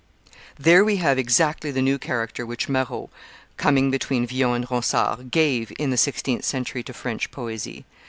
There we have exactly the new character which Marot, coming between Villon and Ronsard, gave in the sixteenth century to French poesy.